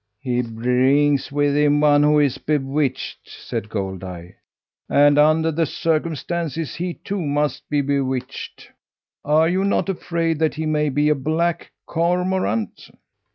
"He brings with him one who is bewitched," said Goldeye, "and, under the circumstances, he too must be bewitched. Are you not afraid that he may be a black cormorant?"